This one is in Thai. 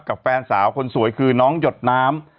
กับแฟนสาวคนสวยคือน้องหยดน้ำ